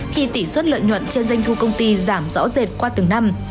khi tỷ suất lợi nhuận trên doanh thu công ty giảm rõ rệt qua từng năm